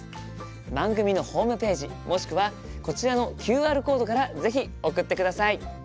番組のホームページもしくはこちらのＱＲコードから是非送ってください。